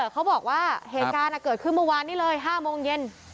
เขาบอกว่าเหตุการณ์เกิดขึ้นเมื่อวานนี้เลย๕โมงเย็น